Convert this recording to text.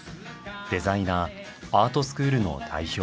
デザイナーアートスクールの代表。